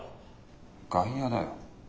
外野だよ。